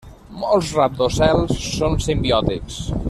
Molts rabdocels són simbiòtics.